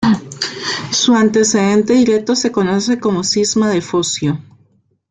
Su antecedente directo se conoce como Cisma de Focio.